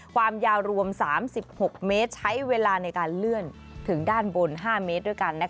ความยาวรวม๓๖เมตรใช้เวลาในการเลื่อนถึงด้านบน๕เมตรด้วยกัน